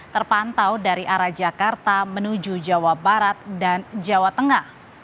terpantau dari arah jakarta menuju jawa barat dan jawa tengah